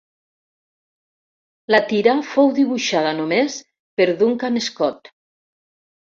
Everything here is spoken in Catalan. La tira fou dibuixada només per Duncan Scott.